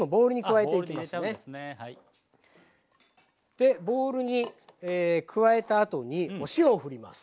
でボウルに加えたあとにお塩をふります。